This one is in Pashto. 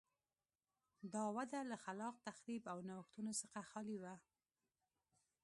دا وده له خلاق تخریب او نوښتونو څخه خالي وه.